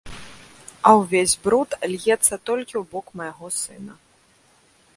А ўвесь бруд льецца толькі ў бок майго сына.